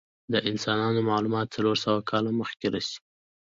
د انسانانو معلومات څلور سوه کاله مخکې رسی.